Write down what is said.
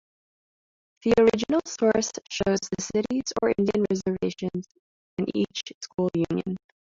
The original source shows the cities or Indian Reservations in each School Union.